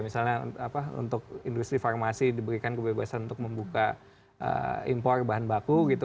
misalnya untuk industri farmasi diberikan kebebasan untuk membuka impor bahan baku gitu